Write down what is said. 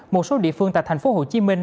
một số địa phương tại thành phố hồ chí minh